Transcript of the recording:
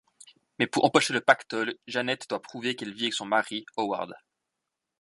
Mais, pour empocher le pactole, Janet doit prouver qu'elle vit avec son mari, Howard.